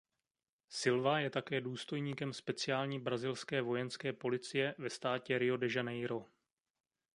Silva je také důstojníkem speciální brazilské vojenské policie ve státě Rio de Janeiro.